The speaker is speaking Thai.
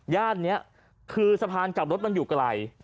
นี้คือสะพานกลับรถมันอยู่ไกล